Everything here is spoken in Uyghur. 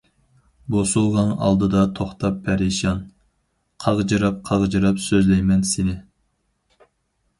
بوسۇغاڭ ئالدىدا توختاپ پەرىشان، قاغجىراپ-قاغجىراپ سۆزلەيمەن سېنى.